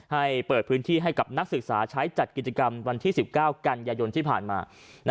ให้เปิดพื้นที่ให้กับนักศึกษาใช้จัดกิจกรรมวันที่๑๙กันยายนที่ผ่านมา